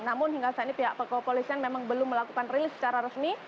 namun hingga saat ini pihak kepolisian memang belum melakukan rilis secara resmi